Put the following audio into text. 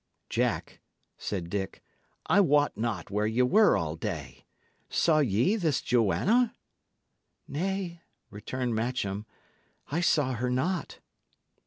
"Jack," said Dick, "I wot not where ye were all day. Saw ye this Joanna?" "Nay," returned Matcham, "I saw her not."